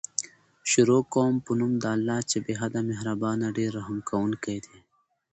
شروع کوم په نوم د الله چې بې حده مهربان ډير رحم لرونکی دی